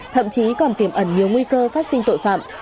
thậm chí còn tiềm ẩn nhiều nguy cơ phát sinh tội phạm